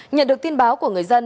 nhận được tin báo của người dân